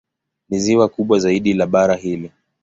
Ni ziwa kubwa zaidi la bara hili.